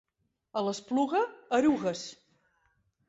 A l'Espluga, erugues.